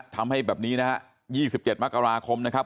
ทำให้แบบนี้นะฮะ๒๗มกราคมนะครับ